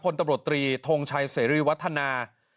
ตำรวจตรีทงชัยเสรีวัฒนา